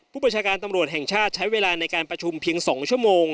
ประชาการตำรวจแห่งชาติใช้เวลาในการประชุมเพียง๒ชั่วโมง